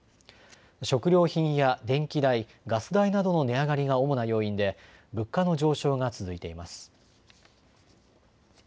食料品や電気代、ガス代などの値上がりが主な要因で物価の上昇が続いています。